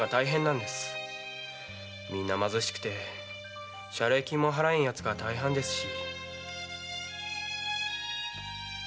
皆貧しくて謝礼金も払えん奴が大半ですし。